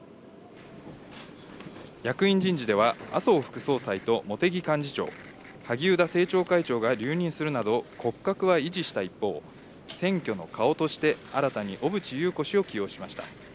役員人事では、麻生副総裁と茂木幹事長、萩生田政調会長が留任するなど、骨格は維持した一方、選挙の顔として新たに小渕優子氏を起用しました。